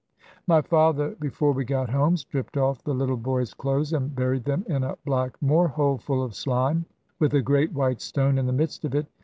"My father before we got home stripped off the little boy's clothes, and buried them in a black moor hole full of slime, with a great white stone in the midst of it.